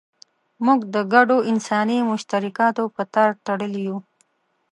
موږ د ګډو انساني مشترکاتو په تار تړلي یو.